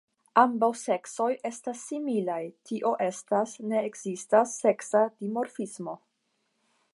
Ambaŭ seksoj estas similaj, tio estas, ne ekzistas seksa dimorfismo.